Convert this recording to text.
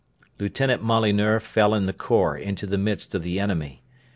Lieutenant Molyneux fell in the khor into the midst of the enemy.